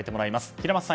平松さん